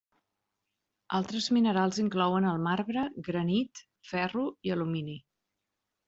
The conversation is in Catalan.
Altres minerals inclouen el marbre, granit, ferro i alumini.